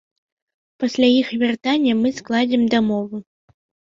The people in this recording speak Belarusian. Пасля іх вяртання мы складзем дамову.